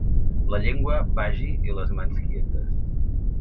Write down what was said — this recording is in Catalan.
La llengua vagi i les mans quietes.